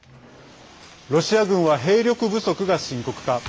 ロシア軍は兵力不足が深刻化。